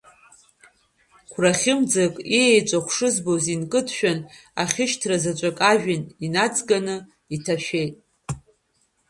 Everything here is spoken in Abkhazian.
Қәрахьымӡак иеҵәахәишызбоз инкыдшәан, ахьышьҭра заҵәык ажәҩан иныҵганы иҭашәеит.